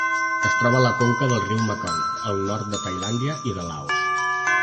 Es troba a la conca del riu Mekong al nord de Tailàndia i de Laos.